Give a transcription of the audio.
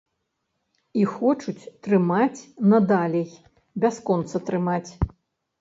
І хочуць трымаць надалей, бясконца трымаць.